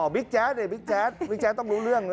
อ๋อบิ๊กแจ๊สต้องรู้เรื่อง